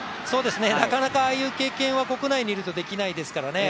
なかなかああいう経験は国内にいるとできないですからね。